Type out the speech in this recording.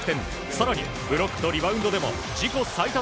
更にブロックとリバウンドでも自己最多